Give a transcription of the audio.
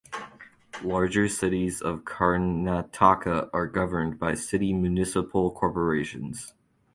Larger cities of Karnataka are governed by city municipal corporations.